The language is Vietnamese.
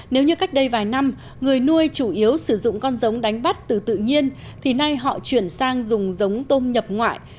nếu như cách đây vài năm người nuôi chủ yếu sử dụng con giống đánh bắt từ tự nhiên thì nay họ chuyển sang dùng giống tôm nhập ngoại